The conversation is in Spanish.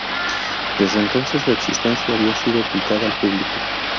Desde entonces, su existencia había sido ocultada al público.